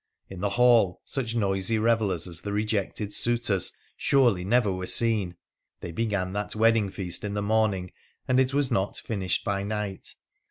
In the hall such noisy revellers as the rejected suitor surely never were seen. They began that wedding feast h the morning, and it was not finished by night.